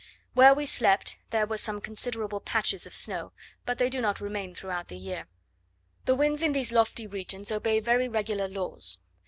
Where we slept, there were some considerable patches of snow, but they do not remain throughout the year. The winds in these lofty regions obey very regular laws.